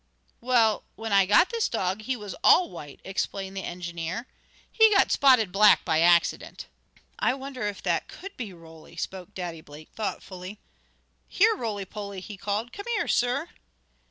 "Well, when I got this dog he was all white," explained the engineer. "He got spotted black by accident." "I wonder if that could be Roly?" spoke Daddy Blake thoughtfully. "Here, Roly Poly!" he called. "Come here, sir!"